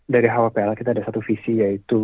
dari hwpl kita ada satu visi yaitu